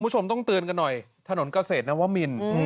คุณผู้ชมต้องเตือนกันหน่อยถนนเกษตรนวมิน